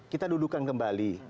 kita dudukan kembali